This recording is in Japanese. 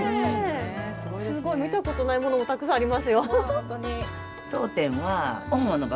すごい！見たことないものもたくさんありますよ。